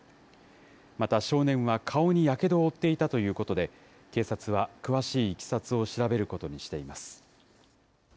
また少年は、顔にやけどを負っていたということで、警察は詳しいいきさつを調べることにしています。